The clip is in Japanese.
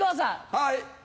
はい。